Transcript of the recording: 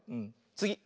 つぎ！